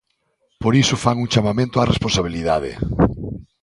Por iso fan un chamamento á responsabilidade.